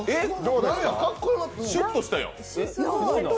シュッとしたよ。